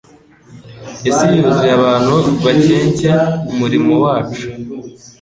Isi yuzuye abantu bakencye umurimo wacu.